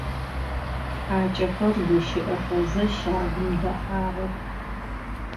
Хьакӏэхэр гущыӏэхэзэ щагум дэхьагъэх.